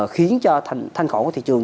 khiến cho thanh khoản của thị trường